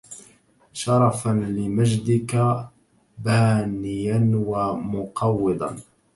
شرفا لمجدك بانيا ومقوضا